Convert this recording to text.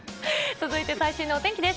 続いて最新のお天気です。